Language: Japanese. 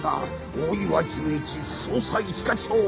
大岩純一捜査一課長。